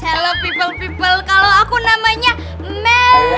halo people people kalau aku namanya meli